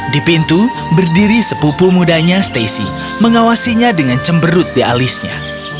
di pintu berdiri sepupu mudanya stacy mengawasinya dengan cemberut di alisnya